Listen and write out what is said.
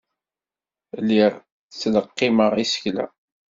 Lliɣ ttleqqimeɣ isekla.